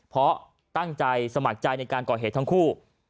เพราะตั้งใจสมัครใจในการก่อเหตุทั้งคู่